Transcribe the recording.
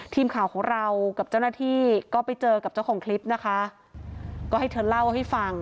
ทีมข่าวของเรากับเจ้าหน้าที่ก็ไปเจอกับเจ้าของคลิปนะคะก็ให้เธอเล่าให้ฟัง